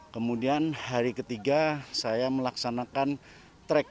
kemudian hari ketiga saya melaksanakan track